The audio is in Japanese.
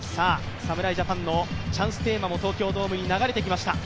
侍ジャパンのチャンステーマも東京ドームに流れてきました。